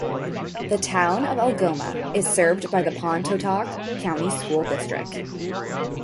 The town of Algoma is served by the Pontotoc County School District.